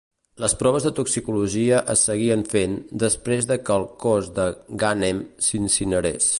Les proves de toxicologia es seguien fent després de que el cos de Ghanem s'incinerés.